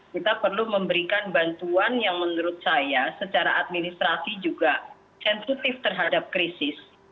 kita perlu memberikan bantuan yang menurut saya secara administrasi juga sensitif terhadap krisis